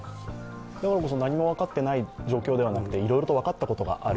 何も分かっていない状況ではなくていろいろと分かったことがある。